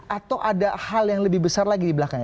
atau ada hal yang lebih besar lagi di belakangnya